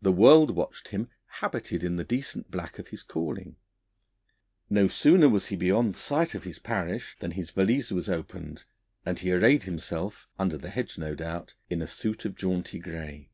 The world watched him, habited in the decent black of his calling; no sooner was he beyond sight of his parish than his valise was opened, and he arrayed himself under the hedge, no doubt in a suit of jaunty grey.